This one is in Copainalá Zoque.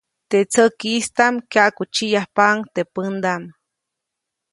Teʼ tsäkiʼstaʼm kyaʼkutsiʼyajpaʼuŋ teʼ pändaʼm.